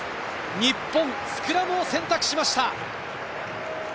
日本、スクラムを選択しました。